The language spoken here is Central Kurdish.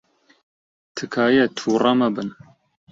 تکایە تووڕە مەبن.